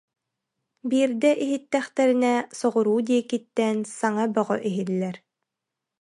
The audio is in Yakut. Биирдэ иһиттэхтэринэ соҕуруу диэкиттэн саҥа бөҕө иһиллэр